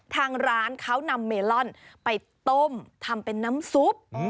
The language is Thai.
ทางร้านเขานำเมลอนไปต้มทำเป็นน้ำซุป